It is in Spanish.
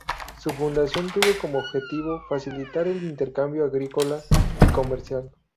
Su fundación tuvo como objetivo facilitar el intercambio agrícola y comercial.